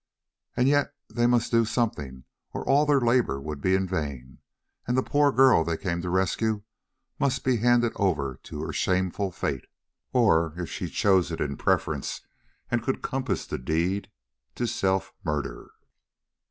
And yet they must do something, or all their labour would be in vain, and the poor girl they came to rescue must be handed over to her shameful fate, or, if she chose it in preference and could compass the deed, to self murder.